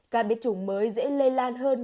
các bệnh chủng mới dễ lây lan hơn